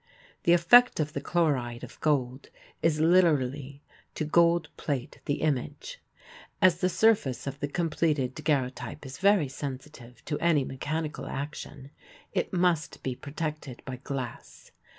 The effect of the chloride of gold is literally to gold plate the image. As the surface of the completed daguerreotype is very sensitive to any mechanical action, it must be protected by glass.